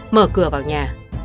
mở cửa vào nhà